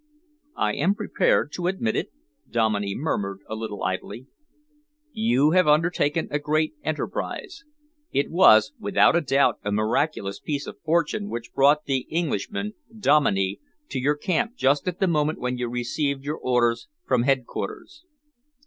"I am prepared to admit it," Dominey murmured a little idly. "You have undertaken a great enterprise. It was, without a doubt, a miraculous piece of fortune which brought the Englishman, Dominey, to your camp just at the moment when you received your orders from headquarters.